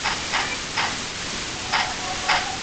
ډوډۍ د مور له خوا پخيږي.